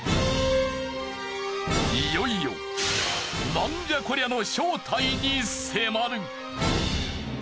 いよいよナンじゃこりゃ！？の正体に迫る。